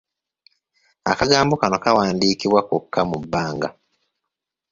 Akagambo kano kawandiikibwa kokka mu bbanga.